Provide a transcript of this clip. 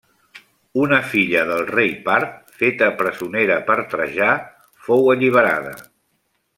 Una filla del rei part, feta presonera per Trajà, fou alliberada.